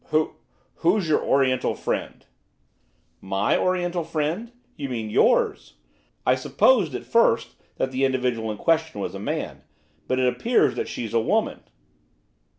'Who who's your Oriental friend?' 'My Oriental friend? you mean yours. I supposed, at first, that the individual in question was a man; but it appears that she's a woman.